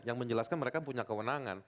yang menjelaskan mereka punya kewenangan